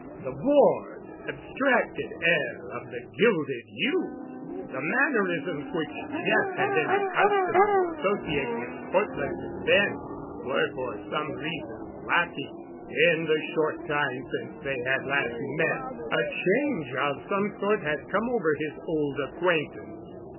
The bored, abstracted air of the gilded youth, the mannerisms which Jeff had been accustomed to associate with Cortland Bent, were for some reason lacking. In the short time since they had last met a change of some sort had come over his old acquaintance.